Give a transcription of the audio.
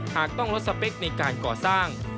หากต้องลดสเปคในการก่อสร้าง